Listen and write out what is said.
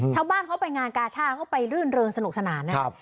ชาวบ้านเขาไปงานกาชาติเขาไปรื่นเริงสนุกสนานนะครับ